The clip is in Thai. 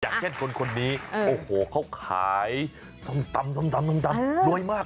อย่างเช่นคนนี้โอ้โหเขาขายส้มตำส้มตำรวยมาก